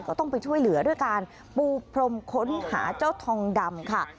ต้องไปช่วยเหลือด้วยการปูพรมค้นหาเจ้าทองดำค่ะ